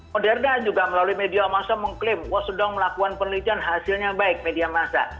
moderna juga melalui media masa mengklaim wah sedang melakukan penelitian hasilnya baik media masa